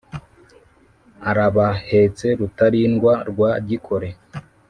Arabahetse Rutarindwa, rwa Gikore